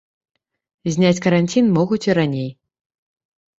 Зняць каранцін могуць і раней.